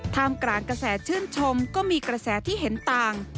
กลางกระแสชื่นชมก็มีกระแสที่เห็นต่าง